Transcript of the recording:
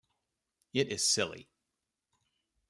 It is silly.